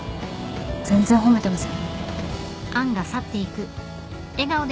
全然褒めてません。